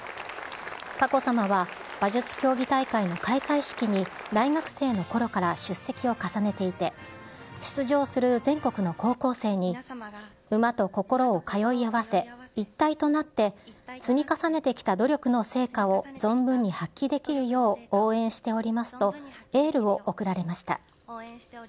佳子さまは馬術競技大会の開会式に大学生のころから出席を重ねていて、出場する全国の高校生に、馬と心を通い合わせ、一体となって、積み重ねてきた努力の成果を存分に発揮できるよう、応援しておりますと、エールを送られました。